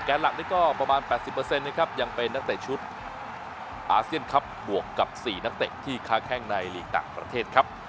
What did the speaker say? หลักนี่ก็ประมาณ๘๐นะครับยังเป็นนักเตะชุดอาเซียนครับบวกกับ๔นักเตะที่ค้าแข้งในลีกต่างประเทศครับ